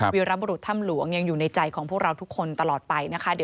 วิรบรุษถ้ำหลวงยังอยู่ในใจของพวกเราทุกคนตลอดไปนะคะ